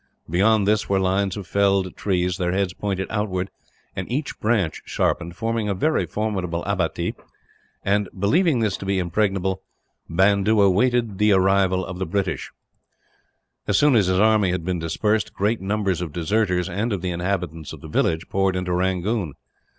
Beyond this were lines of felled trees, their heads pointing outwards and each branch sharpened forming a very formidable abattis and, believing this to be impregnable, Bandoola awaited the attack of the British. As soon as his army had been dispersed, great numbers of deserters, and of the inhabitants of the villages, poured into Rangoon.